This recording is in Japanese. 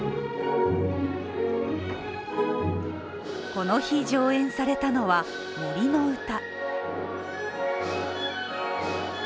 この日、上演されたのは「森の詩」。